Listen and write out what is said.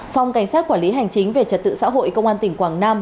phòng cảnh sát quản lý hành chính về trật tự xã hội công an tỉnh quảng nam